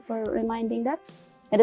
ini terbaik dengan wanita